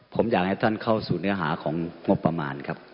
ผมอยากให้ท่านเข้าสู่เนื้อหาของงบประมาณครับ